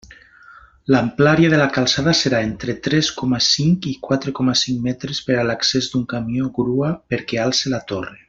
L'amplària de la calçada serà entre tres coma cinc i quatre coma cinc metres per a l'accés d'un camió grua perquè alce la torre.